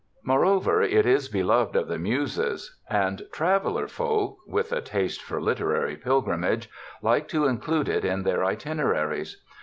Moreover, it is be loved of the Muses, and traveler folk with a taste for literary pilgrimage, like to include it in their itineraries.